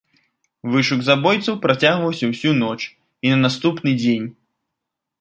Вышук забойцаў працягваўся ўсю ноч і на наступны дзень.